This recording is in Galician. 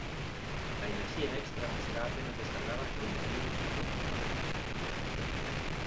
A enerxía extra será apenas descargada por un desvío no espazo como calor.